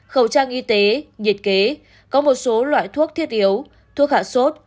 khẩu trang y tế nhiệt kế có một số loại thuốc thiết yếu thuốc hạ sốt